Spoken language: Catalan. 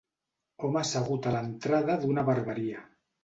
Home assegut a l'entrada d'una barberia.